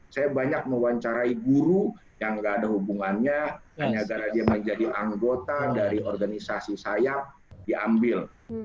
saya banyak mewawancarai guru yang nggak ada hubungannya hanya gara gara dia menjadi anggota dari organisasi saya diambil